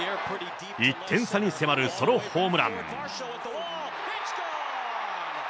１点差に迫るソロホームランだ。